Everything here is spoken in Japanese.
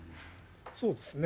そうですね。